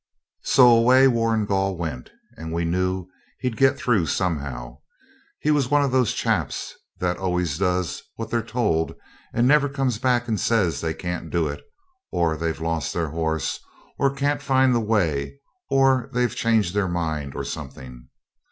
So away Warrigal went, and we knew he'd get through somehow. He was one of those chaps that always does what they're told, and never comes back and says they can't do it, or they've lost their horse, or can't find the way, or they'd changed their mind, or something.